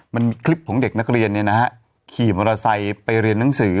มันคลิปของเด็กนักเรียนขี่มอเตอร์ไซค์ไปเรียนหนังสือ